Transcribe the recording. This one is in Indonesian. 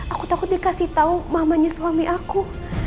aku takut dia kasih tau mamanya suami aku